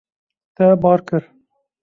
Te bar kir.